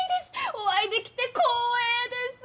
お会いできて光栄です